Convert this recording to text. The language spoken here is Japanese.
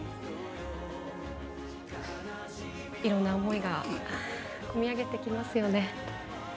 いろんな思いが込み上げてきますよね。